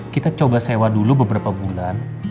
kita coba sewa dulu beberapa bulan